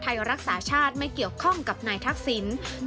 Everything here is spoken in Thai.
ไทยรักษาชาติไม่เกี่ยวข้องกับนายทักษิณ